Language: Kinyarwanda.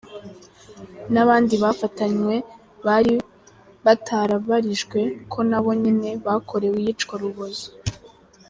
N’abandi bafatanywe nwe bari bitabarijwe ko nabo nyine bakorewe iyicwa rubozo.